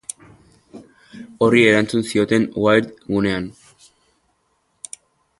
Horri erantzun zioten Wired gunean.